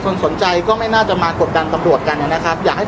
พี่แจงในประเด็นที่เกี่ยวข้องกับความผิดที่ถูกเกาหา